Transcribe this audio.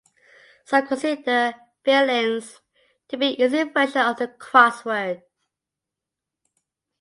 Some consider Fill-Ins to be an easier version of the crossword.